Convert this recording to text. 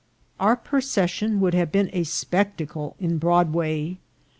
Our procession would have been a spectacle in Broadway.